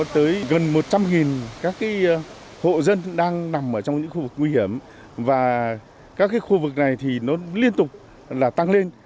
tới gần một trăm linh các hộ dân đang nằm trong những khu vực nguy hiểm và các khu vực này thì nó liên tục tăng lên